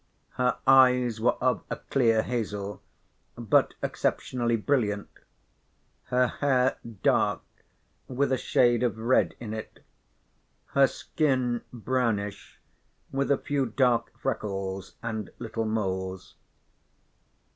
Her eyes were of a clear hazel but exceptionally brilliant, her hair dark, with a shade of red in it, her skin brownish, with a few dark freckles and little moles.